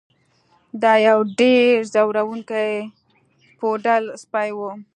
دا یو ډیر ځورونکی پوډل سپی و